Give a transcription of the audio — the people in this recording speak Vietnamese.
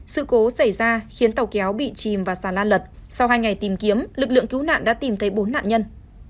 sự cố xảy ra khiến tàu kéo bị chìm và xà lan lật sau hai ngày tìm kiếm lực lượng cứu nạn đã tìm thấy bốn nạn nhân